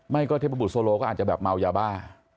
ไม่ก็เทพบุตรโซโลก็อาจจะแบบเมายาบ้า